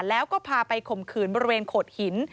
แล้วก็พาไปข่มขืนบริเวณโขดหิน